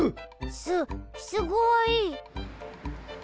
すっすごい。